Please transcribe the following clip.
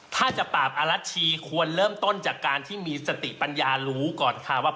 ถ้าจะปราบอรัชชีควรเริ่มต้นจากการที่มีสติปัญญารู้ก่อนค่ะว่า